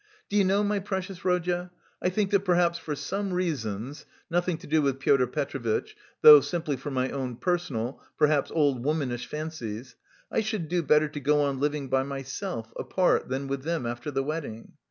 Do you know, my precious Rodya, I think that perhaps for some reasons (nothing to do with Pyotr Petrovitch though, simply for my own personal, perhaps old womanish, fancies) I should do better to go on living by myself, apart, than with them, after the wedding.